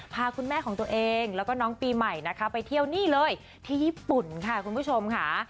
พาคุณแม่ของตัวเองแล้วก็น้องปีใหม่นะคะไปเที่ยวนี่เลยที่ญี่ปุ่นค่ะคุณผู้ชมค่ะ